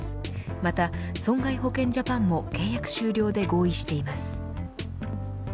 また損害保険ジャパンも契約終了で合意しています。